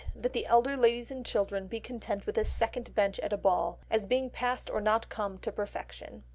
That the elder ladies and children be content with a second bench at a ball, as being past or not come to perfection.